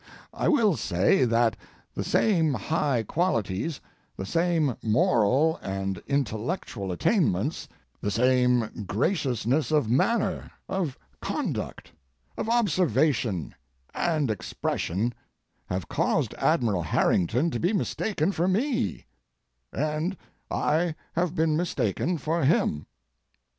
I will say that the same high qualities, the same moral and intellectual attainments, the same graciousness of manner, of conduct, of observation, and expression have caused Admiral Harrington to be mistaken for me—and I have been mistaken for him.